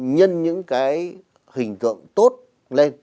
nhân những cái hình tượng tốt lên